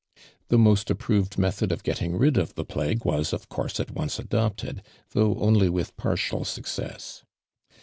The most approved nn^thod of getting ri<l of the plague was, of course at onco ailopttd. tlioiigii only with partial success.